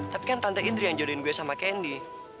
tapi kan tante indri yang jodohin gue sama kendi